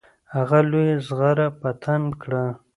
هغه لویه زغره په تن کړه.